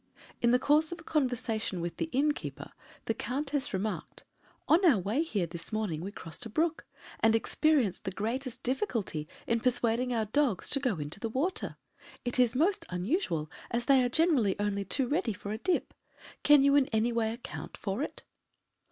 In the course of a conversation with the innkeeper, the Countess remarked: "On our way here this morning we crossed a brook, and experienced the greatest difficulty in persuading our dogs to go into the water. It is most unusual, as they are generally only too ready for a dip. Can you in any way account for it?"